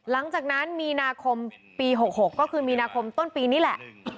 หลังจากนั้นมีนาคมปี๖๖ก็คือมีนาคมต้นปีนี้แหละ